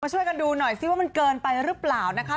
ช่วยกันดูหน่อยซิว่ามันเกินไปหรือเปล่านะคะ